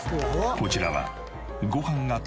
こちらは。